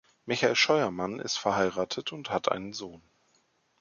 Michael Scheuermann ist verheiratet und hat einen Sohn.